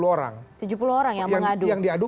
tujuh puluh orang yang mengadu